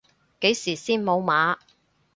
幾時先無碼？